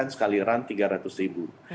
sekaliran tiga ratus ribu